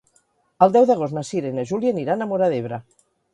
El deu d'agost na Cira i na Júlia aniran a Móra d'Ebre.